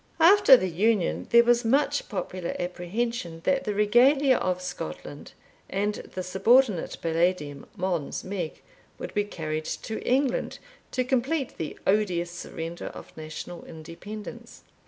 After the Union, there was much popular apprehension that the Regalia of Scotland, and the subordinate Palladium, Mons Meg, would be carried to England to complete the odious surrender of national independence.